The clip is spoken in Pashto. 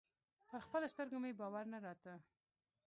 پر خپلو سترګو مې باور نه راته.